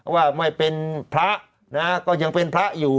ว่าไม่เป็นพระนะฮะก็ยังเป็นพระอยู่